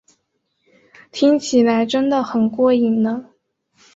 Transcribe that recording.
听起来真得很过瘾呢